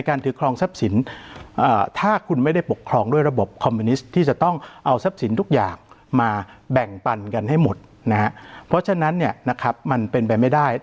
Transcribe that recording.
กันให้หมดนะฮะเพราะฉะนั้นเนี่ยนะครับมันเป็นไปไม่ได้